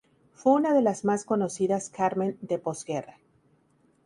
Fue una de las más conocidas "Carmen" de posguerra.